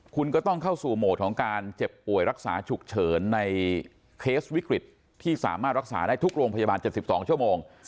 คุณก็ต้องเข้าสู่โหมดของการเจ็บป่วยรักษาฉุกเฉินในเคสวิกฤตที่สามารถรักษาได้ทุกโรงพยาบาล๗๒ชั่วโมง